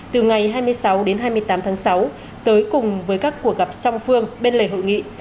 từ ngày hai mươi sáu đến hai mươi tám tháng sáu tới cùng với các cuộc gặp song phương bên lề hội nghị